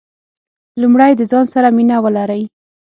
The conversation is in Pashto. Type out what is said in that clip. لومړی د ځان سره مینه ولرئ .